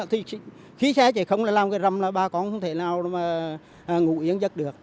thì khi xe chạy không là làm cái râm là bà con không thể nào mà ngủ yên giật